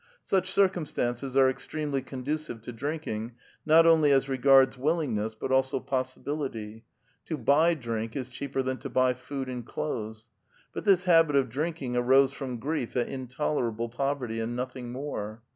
Such circuui stances are extremely conducive to drinking, not only as regards willingness, but also possibility ; to buy drink is cheaper than to buy food and clothes. But this habit of drinking arose from grief at intolerable poverty, and nothing more.